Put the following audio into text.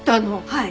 はい。